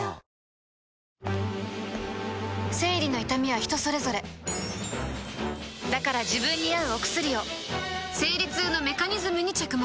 生理の痛みは人それぞれだから自分に合うお薬を生理痛のメカニズムに着目